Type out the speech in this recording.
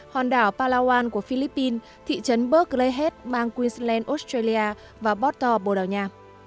hòn đảo palawan của philippines thị trấn berkeley bang queensland australia và porto bồ đào nha